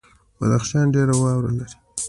بدخشان ډیره واوره لري